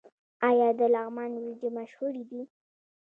آیا د لغمان وریجې مشهورې دي؟